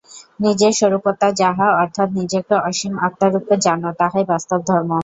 নিজে স্বরূপত যাহা, অর্থাৎ নিজেকে অসীম আত্মারূপে জান, তাহাই বাস্তব ধর্ম।